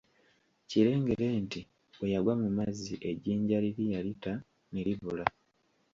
Kirengere nti bwe yagwa mu mazzi ejjinja liri yalita ne libula.